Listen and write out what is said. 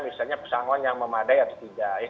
misalnya pesangon yang memadai atau tidak